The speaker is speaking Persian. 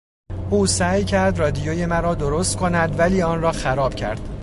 او سعی کرد رادیوی مرا درست کند ولی آن را خراب کرد.